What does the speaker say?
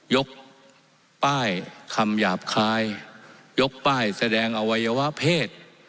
ยกป้ายคำหยาบคายยกป้ายแสดงอวัยวะเพศ